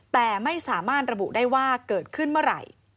แต่ไม่สามารถระบุได้ว่าเกิดขึ้นเมื่อไหร่